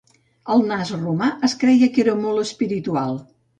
El nas romà es creia que era molt espiritual.